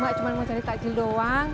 nggak cuma mau cari takjil doang